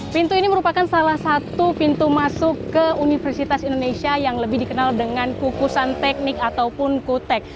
pintu ini merupakan salah satu pintu masuk ke universitas indonesia yang lebih dikenal dengan kukusan teknik ataupun kutek